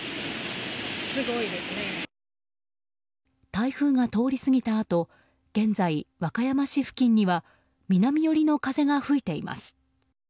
台風が通り過ぎたあと現在、和歌山市付近には南寄りの風が吹いています。